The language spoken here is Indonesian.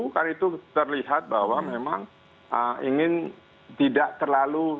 karena itu terlihat bahwa memang ingin tidak terlalu